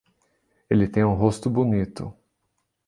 Ele tem um rosto bonito.